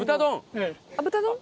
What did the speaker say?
豚丼？